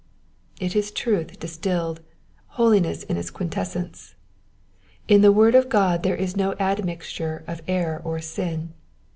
'*' It is truth distilled, holiness in its quint essence, tn the word of God there is no admixture of error or sin.